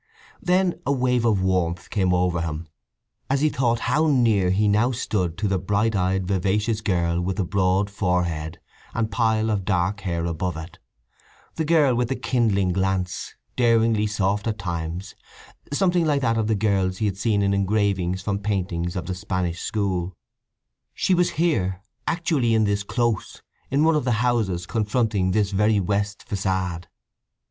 Then a wave of warmth came over him as he thought how near he now stood to the bright eyed vivacious girl with the broad forehead and pile of dark hair above it; the girl with the kindling glance, daringly soft at times—something like that of the girls he had seen in engravings from paintings of the Spanish school. She was here—actually in this Close—in one of the houses confronting this very west façade.